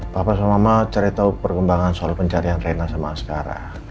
papa sama mama cari tahu perkembangan soal pencarian reina sama scar